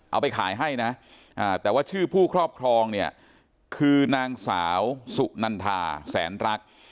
เอาไปขายให้นะแต่ว่าชื่อผู้ครอบครองเนี่ยคือนางสาวสุนันทาแสนรัก